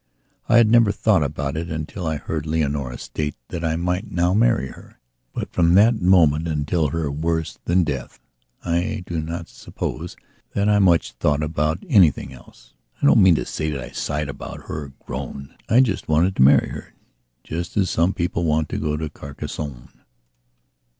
I had never thought about it until I heard Leonora state that I might now marry her. But, from that moment until her worse than death, I do not suppose that I much thought about anything else. I don't mean to say that I sighed about her or groaned; I just wanted to marry her as some people want to go to Carcassonne.